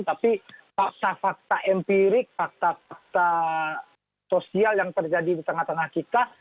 tapi fakta fakta empirik fakta fakta sosial yang terjadi di tengah tengah kita